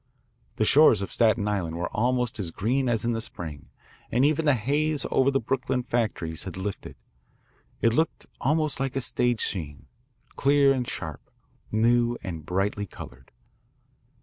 The shores of Staten Island were almost as green as in the spring, and even the haze over the Brooklyn factories had lifted. It looked almost like a stage scene, clear and sharp, new and brightly coloured.